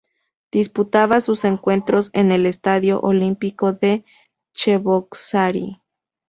Disputaba sus encuentros en el "Estadio Olímpico de Cheboksary".